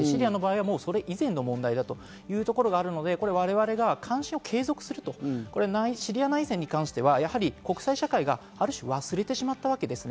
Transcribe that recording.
シリアはそれ以前の問題だというところですので、我々が監視を継続するシリア内戦に関しては、国際社会がある種、忘れてしまったわけですね。